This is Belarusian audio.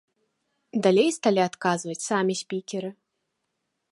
Далей сталі адказваць самі спікеры.